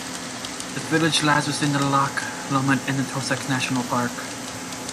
The village lies within the Loch Lomond and The Trossachs National Park.